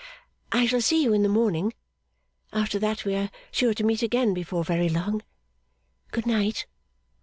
'I shall see you in the morning. After that we are sure to meet again before very long. Good night!